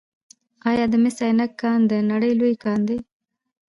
آیا د مس عینک کان د نړۍ لوی کان دی؟